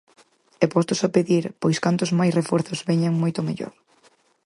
E postos a pedir, pois cantos máis reforzos veñan moito mellor.